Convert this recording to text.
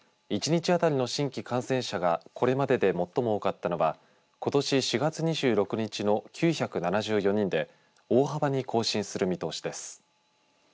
１日当たりの新規感染者がこれまでで最も多かったのがことし４月２６日の９７４人で大幅に更新する見通しです。